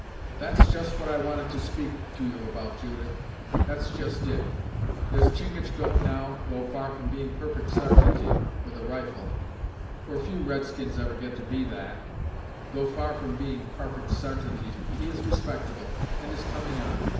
"That's just what I wanted to speak to you about, Judith; that's just it. There's Chingachgook, now, though far from being parfect sartainty, with a rifle for few red skins ever get to be that though far from being parfect sartainty, he is respectable, and is coming on.